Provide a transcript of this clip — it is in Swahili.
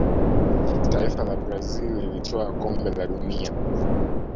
taifa la brazil lilitwaa Kombe la dunia